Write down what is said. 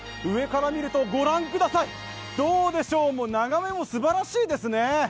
上から見ると、御覧ください、どうでしょう、眺めもすばらしいですね。